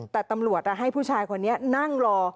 แต่ตำรวจให้ผู้ชายคนนี้นั่งรอ